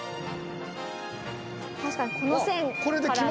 確かにこの線から。